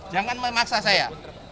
jangan memaksa saya